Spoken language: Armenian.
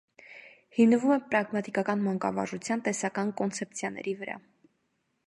Հիմնվում է պրագմատիկական մանկավարժության տեսական կոնցեպցիաների վրա։